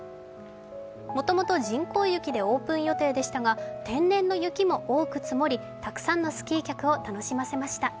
もともと人工雪でオープン予定でしたが天然の雪も多く積もり、たくさんのスキー客を楽しませました。